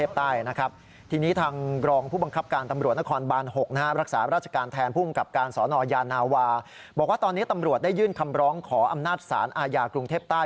ซึ่งคำร้องขออำนาจศาลอาญากรุงเทพฯใต้